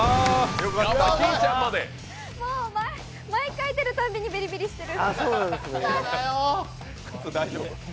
もう、毎回出るたんびにビリビリしてる。